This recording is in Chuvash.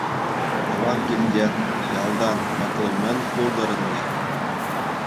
Тӑван килтен, ялтан хакли мӗн пултӑр ӗнтӗ.